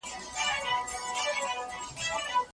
ماشومانو د زده کړي حق درلود.